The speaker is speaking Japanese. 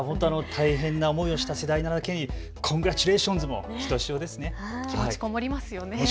大変な思いをした世代なだけにコングラチュレーションズもひとしおですね。